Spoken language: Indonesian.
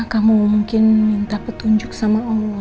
kamu mungkin minta petunjuk sama allah